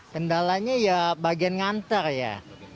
kendalanya ya bagian ngantar ya